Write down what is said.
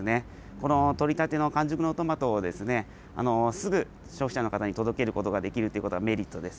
この取りたての完熟トマトを、すぐ消費者の方に届けることができるということがメリットです。